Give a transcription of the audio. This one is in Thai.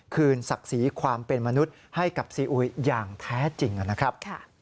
ศักดิ์ศรีความเป็นมนุษย์ให้กับซีอุยอย่างแท้จริงนะครับ